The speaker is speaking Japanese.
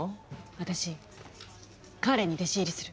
私彼に弟子入りする！